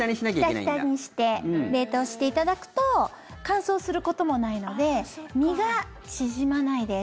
ひたひたにして冷凍していただくと乾燥することもないので身が縮まないです。